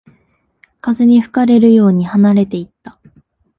風に吹かれるように離れていった